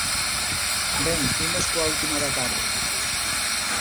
Ben, imos coa última da tarde.